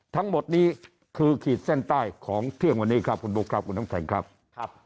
ทั้งหมดนี้คือขีดแส้นใต้ของเที่ยงวันนี้ครับ